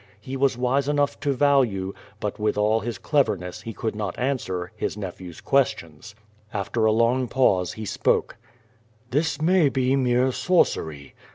He was wise enough to value, but with all his cleverness he could not answer his nephew's questions. After a long pause he spoke. "This may be mere sorcery."